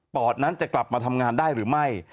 นั้นจะกลับมาทำงานได้หรือไม่